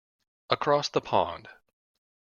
Across the pond.